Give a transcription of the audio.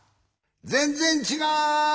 ぜんぜんちがう！